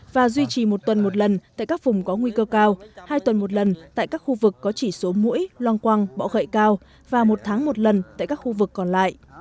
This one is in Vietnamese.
và duy trì một tuần một lần tại các vùng có nguy cơ cao hai tuần một lần tại các khu vực có chỉ số mũi loang quang bọ gậy cao và một tháng một lần tại các khu vực còn lại